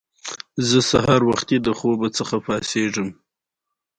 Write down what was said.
ازادي راډیو د بیکاري په اړه په ژوره توګه بحثونه کړي.